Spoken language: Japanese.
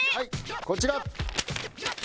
こちら！